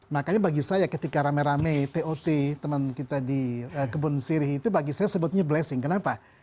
makanya bagi saya ketika rame rame tot teman kita di kebun sirih itu bagi saya sebutnya blessing kenapa